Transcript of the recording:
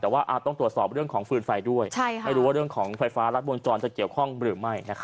แต่ว่าต้องตรวจสอบเรื่องของฟืนไฟด้วยไม่รู้ว่าเรื่องของไฟฟ้ารัดวงจรจะเกี่ยวข้องหรือไม่